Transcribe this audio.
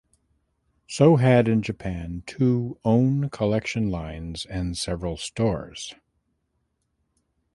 So had in Japan two own collection lines and several stores.